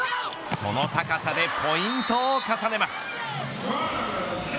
その高さでポイントを重ねます。